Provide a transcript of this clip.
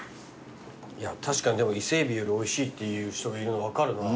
いや確かにでも伊勢エビよりおいしいっていう人がいるの分かるな。